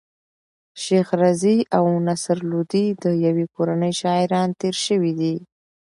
شېخ رضي او نصر لودي د ېوې کورنۍ شاعران تېر سوي دي.